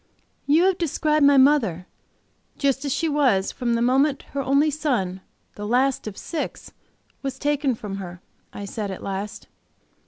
"You have described my mother, just as she was from the moment her only son, the last of six, was taken from her," I said, at last.